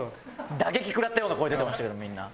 打撃食らったような声出てましたけどみんな。